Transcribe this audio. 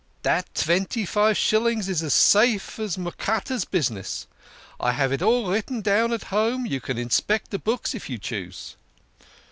" Dat tventy five shillings is as safe as Mocatta's business. I have it all written down at home you can inspect de books if you choose."